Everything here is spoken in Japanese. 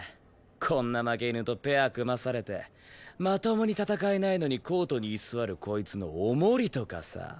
こんな負け犬とペア組まされてまともに戦えないのにコートに居座るこいつのお守りとかさ。